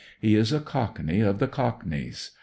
He is a Cockney of the Cockneys.